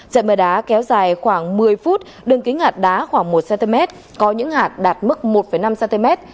trận mưa đá kéo dài khoảng một mươi phút đường kính ngạt đá khoảng một cm có những hạt đạt mức một năm cm